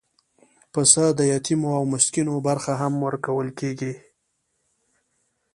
پسه د یتیمو او مسکینو برخه هم ورکول کېږي.